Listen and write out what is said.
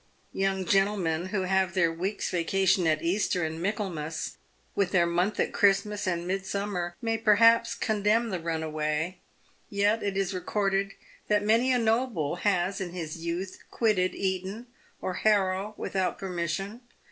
Young gentlemen who have their week's vacation at Easter and Michaelmas, and their month at Christmas and Midsummer, may perhaps condemn the runaway. Yet it is recorded that many a noble has in his youth quitted Eton or Harrow without permission.